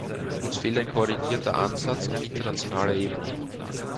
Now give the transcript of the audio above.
Uns fehlt ein koordinierter Ansatz auf internationaler Ebene.